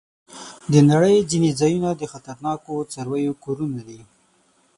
د نړۍ ځینې ځایونه د خطرناکو څارويو کورونه دي.